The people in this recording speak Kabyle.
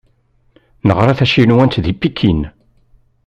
Yeɣra tacinwant di Pikin.